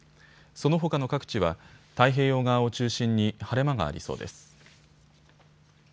そのほかの各地は太平洋側を中心に晴れ間がありそうです。